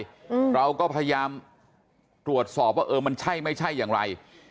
อืมเราก็พยายามตรวจสอบว่าเออมันใช่ไม่ใช่อย่างไร